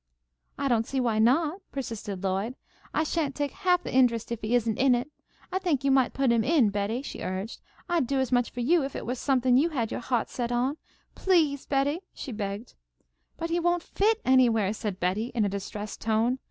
"I don't see why not," persisted Lloyd. "I sha'n't take half the interest if he isn't in it. I think you might put him in, Betty," she urged. "I'd do as much for you, if it was something you had set your heart on. Please, Betty!" she begged. "But he won't fit anywhere!" said Betty, in a distressed tone.